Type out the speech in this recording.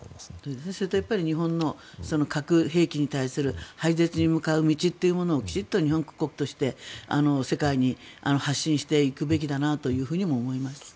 それと日本の核兵器に対する廃絶に向かう道というものをきちんと日本国として世界に発信していくべきだなとも思いますね。